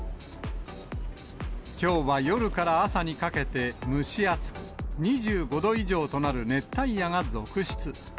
きょうは夜から朝にかけて蒸し暑く、２５度以上となる熱帯夜が続出。